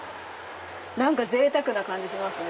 ぜいたくな感じしますね。